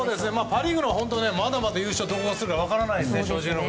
パ・リーグはまだまだ優勝をどこがするか分からないですね。